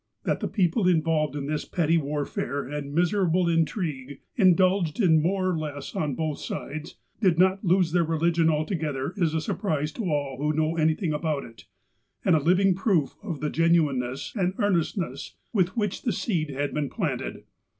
That the people involved in this petty warfare and miserable intrigue, indulged in more or less on both sides, did not lose their religion altogether is a surprise to all who know anything about it, and a living proof of the genuineness and earnestness with which the seed had been planted.